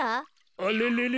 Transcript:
あれれれ？